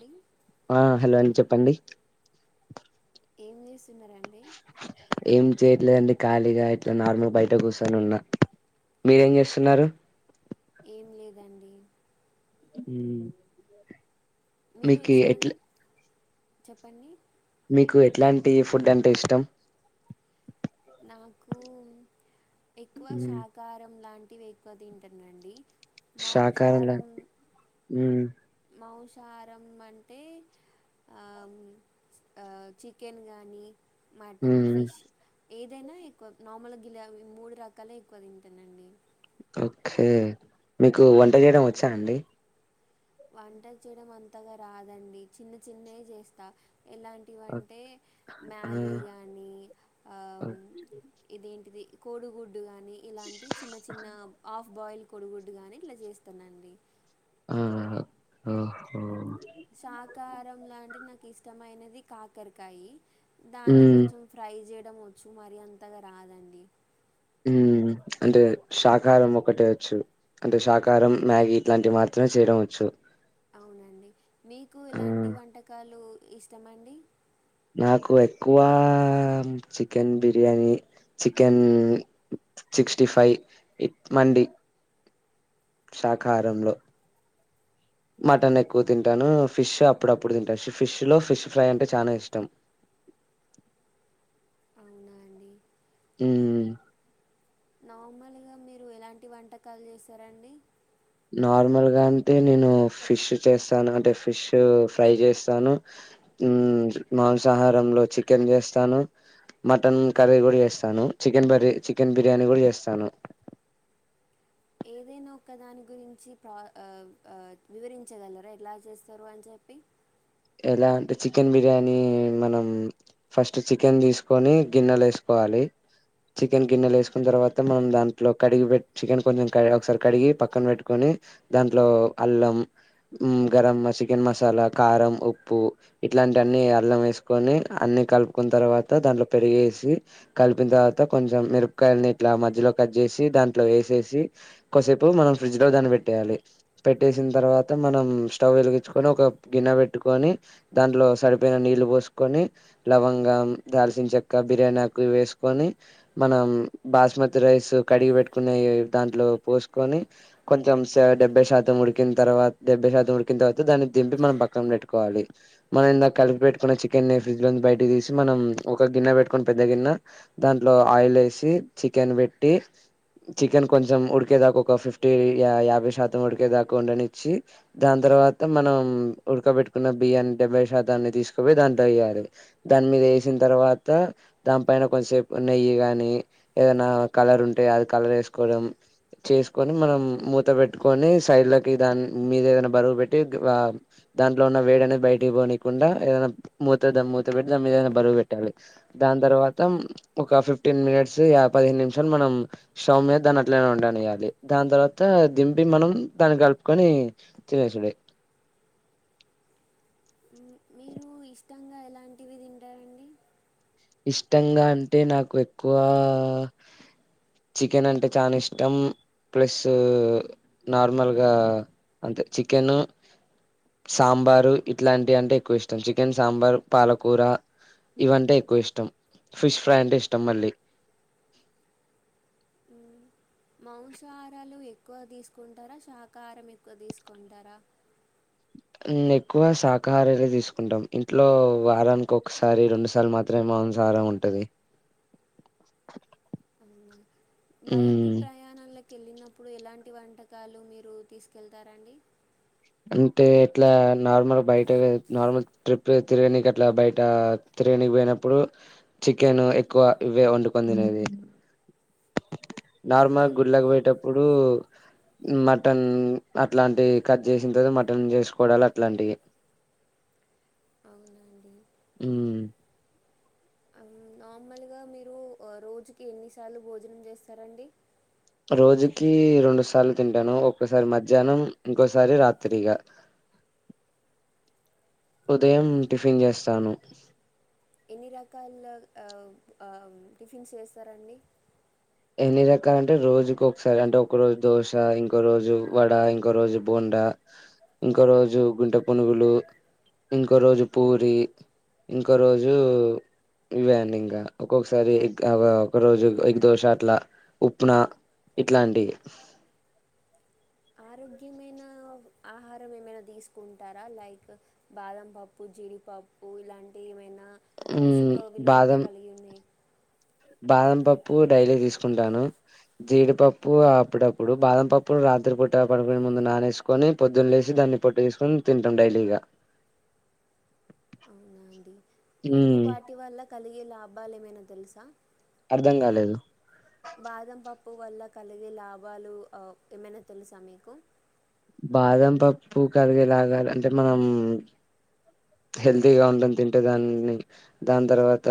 లింగ్ ఆ హలో అం చెప్పండి ఏం చేస్తున్నరండి? ఏం చేయట్లేదండి ఖాళీగా ఇట్ల నార్మల్ బయట కూసోని ఉన్నా మీరేం చేస్తున్నారు? ఏం లేదండి ఉమ్ మీరు మీకు ఇష్టం ఎట్లా చెప్పండి మీకు ఎట్లాంటి ఫుడ్ అంటే ఇష్టం? నాకు ఎక్కువ ఉమ్, శాకారం లాంటివి ఎక్కువ తింటనండి శాకాహారంలో మాంసారం ఉమ్ మాంసారం అంటే ఆమ్ ఆ చికెన్ గానీ మటన్, ఉమ్ ఫిష్ ఏదైనా ఎక్కువ నార్మల్గ గిలాబీ మూడు రకాలే ఎక్కువ తింటనండి ఓకే మీకు వంట చేయడం వచ్చా అండి? వంట చేయడం అంతగా రాదండి చిన్న చిన్నయ్ చేస్తా ఎలాం టి ఓక్- వంటే ఆ మ్యాగీ గా అన్ని ఆ ఓక్- ఇది ఏంటిది కోడుగు ఇలానీ ఇలాంటి చిన్న చిన్న హాఫ్ బాయిల్ కొడుగుడ్డు గాని ఇలా చేస్తానండి ఆ ఓహో సాకారం లాంటి నాకు ఇష్టమైనది కాకరకాయి దాన్ని ఉమ్ కొంచెం ఫ్రై చేయడం వచ్చు మరి అంతగా రాదండి ఉ అంటే శాకారం ఒకటే వచ్చు అంటే శాకారం మ్యాగీ ఇట్లాంటివి మాత్రమే చేయడం వచ్చు అవునండి మీకు ఆ ఎలాంటి వంటకాలు ఇష్టమండి నాకు ఎక్కువ chicken biryani chicken sixty five ఇట్ మండి శాకారంలో మటన్ ఎక్కువ తింటాను ఫిష్ అప్పుడప్పుడు తింటా ఫిష్ లో ఫిష్ ఫ్రై అంటే చానా ఇష్టం అవునా అండి ఉ నార్మలుగా మీరు ఎలాంటి వంటకాలు చేస్తారండి నార్మల్ గా అంటే నేను ఫిష్ చేస్తాను అంటే ఫిష్ ఫ్రై చేస్తాను ఉ మాంసాహారంలో చికెన్ చేస్తాను మటన్ కర్రీ కూడా చేస్తాను చికెన్ బర్ చికెన్ బిర్యానీ కూడా చేస్తాను ఏదైనా ఒక దాని గురించి ప్రా ఆ ఆ వివరించగలరా ఎట్లా చేస్తారు అని చెప్పి ఎలా అంటే చికెన్ బిర్యానీ మనం ఫస్ట్ చికెన్ తీసుకొని గిన్నెలో వేసుకోవాలి చికెన్ గిన్నెలో వేసుకున్న తర్వాత మనం దాంట్లో కడిగి బె చికెన్ కొంచెం క ఒకసారి కడిగి పక్కన పెట్టుకొని దాంట్లో అల్లం ఉమ్ గరం చికెన్ మసాలా కారం ఉప్పు ఇట్లాంటి అన్నీ అల్లం వేసుకొని అన్ని కలుపుకున్న తర్వాత దాంట్లో పెరిగేసి కలిపిన్ తర్వాత కొంచెం మిరపకాయల్ని ఇట్లా మధ్యలో కట్ చేసి దాంట్లో వేసేసి కోసేపు మనం ఫ్రిడ్జ్ లో దాన్ని పెట్టేయాలి పెట్టేసిన తర్వాత మనం స్టవ్ వెలిగించుకొని ఒక గిన్నె పె పెట్టుకొని దాంట్లో సరిపోయిన నీళ్లు పోసుకొని లవంగం దాల్చిన చెక్క బిర్యానీ ఆకు ఇవి ఏసుకొని మనం బాస్మతి రైస్ కడిగి పెట్టుకున్నయి దాంట్లో పోసుకొని కొంచెం శా డెబ్బైశాతం ఉడికిన్ తర్వాత డెబ్బైశాతం ఉడికిన్ తర్వాత దాన్ని దింపి మనం పక్కన పెట్టు కోవాలి మనం ఇందాక కలిపి పెట్టుకున్న చికెన్ ని ఫ్రిడ్జ్ లో బయటకి తీసి మనం ఒక గిన్నె పెట్టుకొని పెద్ద గిన్నె దాంట్లో ఆయిల్ ఏసి చికెన్ బెట్టి చికెన్ కొంచెం ఉడికేదాకా ఒక ఫిఫ్టీ యా యాభై శాతం ఉడికేదాకా ఉండనిచ్చి దాన్ తర్వాత మనం ఉడకబెట్టుకున్న బియ్యాన్ని డెబ్బై శాతాన్ని తీసుకుపోయి దాంతో వెయ్యాలే దాని మీద ఏసిన్ తర్వాత దానిపైన కొంన్ సేపు నెయ్యి గాని ఏదైనా కలర్ ఉంటే అది కలర్ ఏస్ కోడం చేసుకొని మనం మూత పెట్టుకొని సైడ్ లకి దాని మీద ఏదైనా బరువు బెట్టి వా దాంట్లో ఉన్న వేడి అనేది బయటికి పోనీకుండా ఏదనా మూత దామ్ మూత బెట్టి దాని మీద ఏదనా బరువు పెట్టాలి దాని తర్వాత ఒక ఫిఫ్టీన్ మినిట్స్ యాభై నిమిషాలు మనం స్టవ్ మీద దాన్ అట్లనే ఉండనీయాలి దాన్ తర్వాత దింపి మనం దాన్ని కలుపుకొని తినేసుడే మీరు ఇష్టంగా ఎలాంటివి తింటారండి ఇష్టంగా అంటే నాకు ఎక్కువా చికెన్ అంటే చాన ఇష్టం ప్లస్ నార్మల్గా అంతే చికెను సాంబారు ఇట్లాంటి అంటే ఎక్కువ ఇష్టం చికెన్ సాంబార్ పాలకూర ఇవంటే ఎక్కువ ఇష్టం ఫిష్ ఫ్రై అంటే ఇష్టం మళ్ళీ మ్, మాంసాహారాలు ఎక్కువ తీసుకుంటారా శాకాహారం ఎక్కువ తీసుకుంటారా నెఎక్కువ శాకాహారాలు తీసుకుంటాం ఇంట్లో వారానికి ఒకసారి రెండుసార్లు మా మాత్రే మాంసాహారం ఉంటది అవునా బయటి మ్మ్ ప్రయాణాలకి కెళ్ళినప్పుడు ఎలాంటి వంటకాలు మీరు తీసుకెళ్తారండి అంటే ఎట్లా నార్మల్ బయట నార్మల్ ట్రిప్ తిరగనికి అట్లా బయట తిరగనికిపోయినప్పుడు చికెన్ ఎక్కువ ఇవే వండుకొని తినేది అంటే నార్మల్ గుళ్ళకి పోయేటప్పుడు మటన్ అట్లాంటి క జేసిన మటన్ చేసుకోవడాలుఅట్లాంటివి అవున అండి ఉమ్ అమ్, నార్మల్గా మీరు రోజుకి ఎన్నిసార్లు భోజనం చేస్తారండి రోజుకి రెండు సార్లు తింటాను ఒక్కసారి మధ్యాహ్నం ఇంకోసారి రాత్రి ఇగా ఉదయం మ్, టిఫిన్ చేస్తాను ఎన్ని రకాల అ ఆ టిఫిన్స్ చెస్తారండి ఎన్ని రకాల అంటే రోజుకు ఒకసారి అంటే ఒక రోజు దోశ ఇంకో రోజు వడ ఇంకో రోజు బొండా ఇంకో రోజు గుంటె పొనుగులు ఇంకో రోజు పూరి ఇంకో రోజు ఇవే అండి ఇంగఒక్కొక్కసారి ఎగ్ఒక రోజు ఎగ్ దోశ అట్లా ఉప్నా ఇట్లాంటివి ఆరోగ్యమైన ఆహారం ఏమైనా దీసుకుంటారా లైక్ బాదం పప్పు జీడిపప్పు ఇలాంటి ఏమైనా మ్మ్ పోషక విలువలతో బాదం కలిగిన బాదం పప్పు డైలీ తీసుకుంటాను జీడిపప్పు అప్పుడప్పుడు బాదం పప్పు రాత్రి పూట పడుకునే ముందు నానేసు కొని పొద్దున్న లేసి దాన్ని పొట్టు తీసుకొని తింటాం డైలీగా అవునా అండి మీకు మ్మ్. వాటి వల్ల కలిగే లాభాలు ఏమైనా తెలుసా అర్ధం కాలేదు బాదం పప్పు వల్ల కలిగే లాభాలు అ ఏమైన తెలుసా మీకు బాదం పప్పు కలిగేలాగా అంటే మనం హెల్దీగా ఉండం తింటే దాన్ని దాని తర్వాత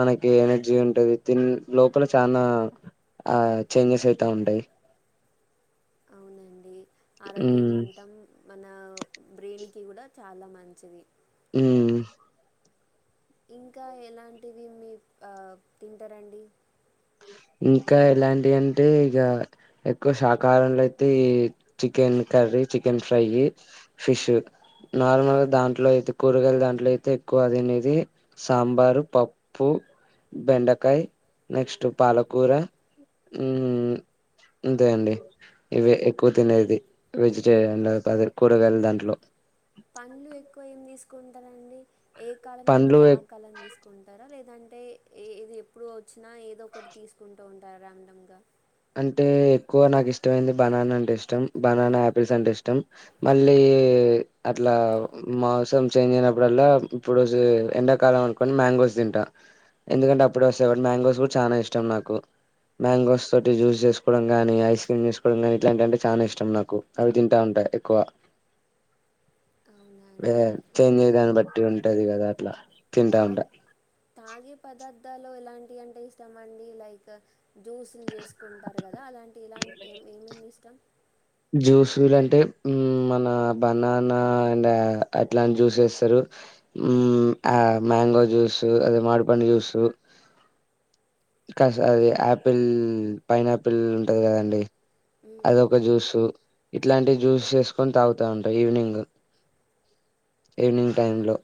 మనకి ఎనర్జీ ఉంటది తిన్ లోపల చానా ఆ చేంజెస్ అయిత ఉంటాయ్ అవునండి ఉమ్ ఆరోగ్యంగా ఉంటాం మన బ్రెయిన్కి కూడా చాలా మంచిది ఉమ్ హు ఇంకా ఎలాంటివి మీ అ తింటరండి ఇంకా ఎలాంటి అంటే ఇగ ఎక్కువ శాకాహారంలో అయితే ఈ చికెన్ కర్రీ చికెన్ ఫ్రైయ్యి ఫిష్ నార్మల్గా దాంట్లో అయితే కూరగాయలు దాంట్లో అయితే ఎక్కువ తినేది సాంబారు పప్పు బెండకాయ్ నెక్స్ట్ పాలకూర ఉమ్ఇంతే అండి ఇవె ఎక్కువ తినేది వెజిటేరియన్ అదే కూరగాయల దాంట్లో పండ్లు ఎక్కువ ఏం తీసుకుంటారండి ఏ కాలం తగ్గితే పండ్లు ఆ కాలం తీసుకుంటారా లేదంటే ఏది ఎప్పుడు వచ్చినా ఏదో ఒకటి తీసుకుం టారాండం గా అంటే ఎక్కువ నాకు ఇష్టమైంది బనానా అంటే ఇష్టం బనానా ఆపిల్స్ అంటే ఇష్టం మళ్ళీ అట్లా మాసం చేంజ్ అయినప్పుడల్లా ఇప్పుడు ఎండాకాలం అనుకో ని మ్యాంగోస్ తింటా ఎందుకంటే అప్పుడు వస్తయి గాబట్టి మ్యాంగోస్ కూడా చానా ఇష్టం నాకు మ్యాంగోస్ తోటి జ్యూస్ చేసుకోవడం గాని ఐస్ క్రీమ్ చేసుకోవడం కాని ఇట్లాంటి అంటే చాలా ఇష్టం నాకు అవి తింటా ఉంట ఎక్కువ అవును వ చేంజయ్యే దాన్ని బట్టి ఉంటది కదా అట్లా తింటా ఉంటా తాగి తాగే పదార్థాలు ఎలాంటివి అంటే ఇస్టమండి లైక్ జ్యూసులు చేసుకుంటారు కదా అలాంటి ఇలాంటి ఏ ఏమేమి ఇష్టం జ్యూస్లు అంటే మన బనానా అండ్ అట్లాంటి జ్యూస్ వేస్తరు మాంగో జూసూ అద మాడిపండు జూసూ కా అది ఆపిల్ పైనాపిల్ ఉంటది కదండి మ్మ్. అదొక జ్యూస్ ఇట్లాంటి జ్యూస్ వేసుకొని తాగుతా ఉంటా ఈవినింగ్ ఈవినింగ్ టైంలో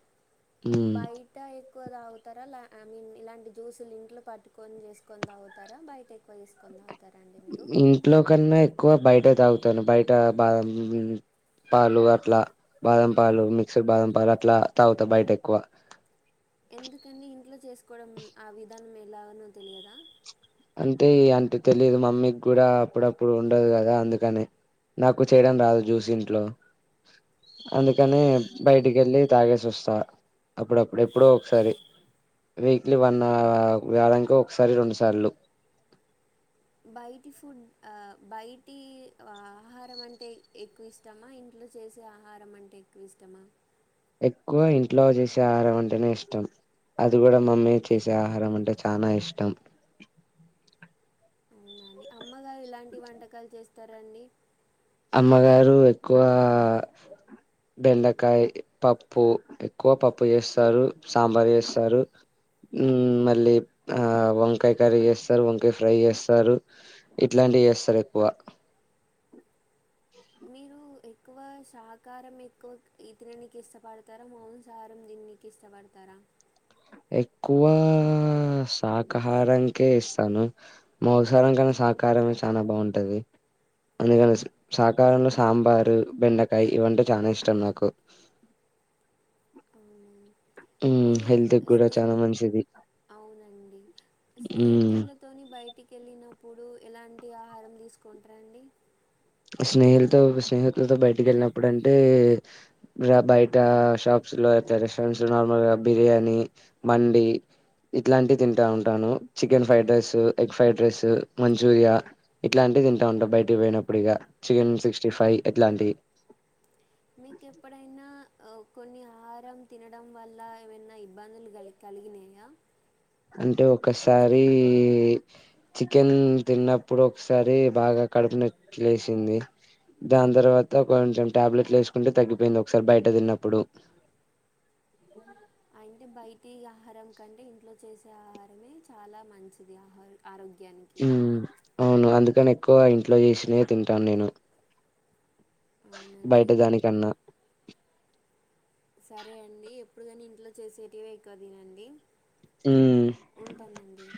బాగి ట్ట ఎక్కువ తాగుతారా ల ఐ మీన్ ఇలాంటి జ్యూసులు ఇంట్లో పట్టుని చేసుకొని తాగుతారా బయట ఎక్కువ చేసు కొని తాగుతారాండి మీరు ఇంట్లో కన్నా ఎక్కువ బయట తాగుతాను బయట బాదం పాలు అట్లా బాదం పాలు మిక్సర్ బాదం పాలు అట్లా తాగుతా బయట ఎక్కువ ఎందుకండి ఇంట్లో చేసుకోవడం ఆ విధానం ఎలానో తెలియదా అంటే అంటే తెలిదు మమ్మీకి కూడా అప్పుడప్పుడు ఉండదు కదా అందుకని నాకు చేయడం రాదు జ్యూస్ ఇంట్లో అందుకని ఓకే అండి బయటికి వెళ్ళి తాగేసి వస్తా అప్పుడప్పుడు ఎప్పుడొ ఒకసారి వీక్లీ వన్ వారానికి ఒకసారి రెండు సార్లు బయటి ఫుడ్ ఆ బయటి ఆహారం అంటే ఎక్కువ ఇస్ ఇష్టమా ఇంట్లో చేసే ఆహారం అంటే ఎక్కువ ఇష్టమా ఎక్కువ ఇంట్లో చేసే ఆహారం అంటేనే ఇష్టం అది కూడా మమ్మీ చేసే ఆహారం అంటే చాలా ఇష్టం మీ అమ్మగారు ఎలాంటి వంటకాలు చేస్తారండి అమ్మగారు ఎక్కువ బెండకాయ్ పప్పు ఎక్కువ పప్పు చేస్తారు సాంబార్ చేస్తారు మళ్ళీ వంకాయ కర్రీ చేస్తారు వంకాయ ఫ్రై చేస్తారు ఇట్లాంటివి చేస్తారు ఎక్కువ మీరు ఎక్కువ సకారం ఎక్కువ ఈతిననికి ఇష్టపడతారా మాంసహారం దిననీకి కిష్టపడతారా ఎక్కువ శాకాహారానికే ఇస్తాను మాంసాహారం కన్నా సాహకారమే చానా బాగుంటది అందుకని సాకారంలో సాంబారు బెండకాయ ఇవంటే చాలా ఇష్టం నాకు అవునండి మ్మ్ మీరు హెల్త్ కి కూడా స్నే చాలా మంచిది అవునండి మ్మ్ స్నేహితులు తోని బయటికి వెళ్ళినప్పుడు ఎలాంటి ఆహారం తీసుకుంటారు అండి స్నెల్ తో స్నేహితులతో బయటకి వెళ్ళినప్పుడు అంటే ఇలా బయట షాప్స్ లో అట్ల రెస్టారెంట్స్ లో నార్మల్ గా బిర్యానీ మండి ఇట్ల లాంటివి తింటా ఉంటాను chicken fried rice egg fried rice Manchuria ఇట్ల లాంటివి తింటా ఉంటా బయటకి పోయినప్పుడు ఇక చికెన్ సిక్స్టీ ఫైవ్ ఇట్ల లాంటివి మీకు ఎప్పుడు అయినా కొన్ని ఆహారం తినడం వల్ల ఏం అన్నా ఇబ్బందులు కలిగి కలిగి నయా అంటే ఒక్కసారి చికెన్ తిన్నప్పుడు ఒక్కసారి బాగా కడుపు నాచ్ లే సింది దాని తర్వాత కొంచెం ట్యాబ్లెట్లు వేసుకుంటే తగ్గిపోయింది ఒక్కసారి బయట తిన్నప్పుడు అయింటే బయటి ఆహారం కంటే ఇంట్లో చేసే ఆహారమే చాలా మంచిది ఆహా ఆరోగ్యా ఉహ్ అవును అందుకని ఎక్కువ ఇంట్లో చేసినవే తింటాను నేను బయట అవునండి దానికన్నా సరే అండి ఎప్పుడు కాని ఇంట్లో చేసేటివే ఎక్కువ తినండి ఉ ఉంటానండి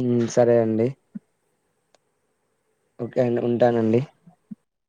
ఇన్ సరే అండి ఓకే అండి ఉంటా నండి